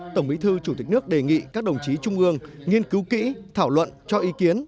tổng bí thư chủ tịch nước đề nghị các đồng chí trung ương nghiên cứu kỹ thảo luận cho ý kiến